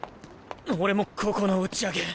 俺も高校の打ち上げ。